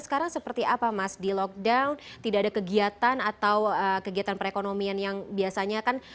sekarang seperti apa mas di lockdown tidak ada kegiatan atau kegiatan perekonomian yang biasanya kan